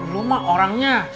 lo mah orangnya